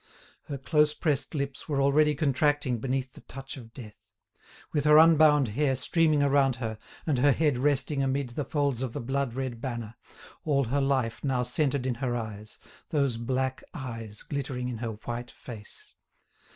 Her close pressed lips were already contracting beneath the touch of death. With her unbound hair streaming around her, and her head resting amid the folds of the blood red banner, all her life now centred in her eyes, those black eyes glittering in her white face.